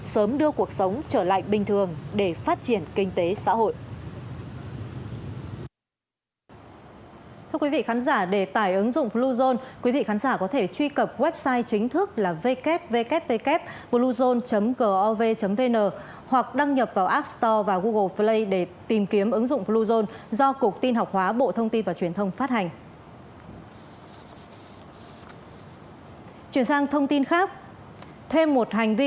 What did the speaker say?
sớm đưa cuộc sống trở lại bình thường để phát triển kinh tế xã hội